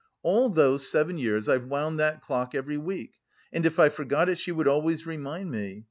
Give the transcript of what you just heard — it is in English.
All those seven years I've wound that clock every week, and if I forgot it she would always remind me.